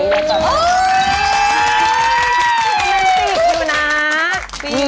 มันติดดูนะ